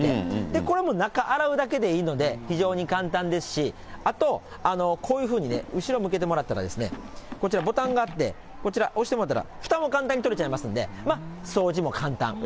これもう中洗うだけでいいので、非常に簡単ですし、あと、こういうふうにね、後ろ向けてもらったら、こちら、ボタンがあって、こちら、押してもらったら、ふたも簡単に取れちゃいますんで、掃除も簡単。